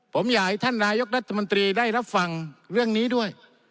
ผมอยากให้ท่านนายกรัฐมนตรีได้รับฟังเรื่องนี้ด้วย